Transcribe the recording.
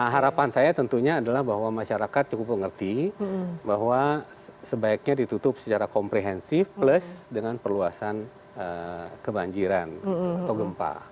harapan saya tentunya adalah bahwa masyarakat cukup mengerti bahwa sebaiknya ditutup secara komprehensif plus dengan perluasan kebanjiran atau gempa